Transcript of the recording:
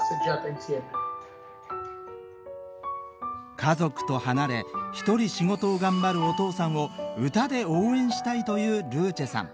家族と離れ一人仕事を頑張るお父さんを歌で応援したいというルーチェさん。